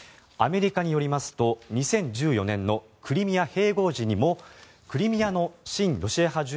アメリカによりますと２０１４年のクリミア併合時にもクリミアの親ロシア派